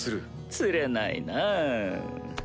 つれないなぁ。